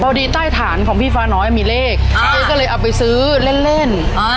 ดีใต้ฐานของพี่ฟ้าน้อยมีเลขเอ๊ก็เลยเอาไปซื้อเล่นเล่น